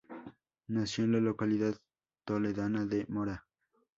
Nació en la localidad toledana de Mora.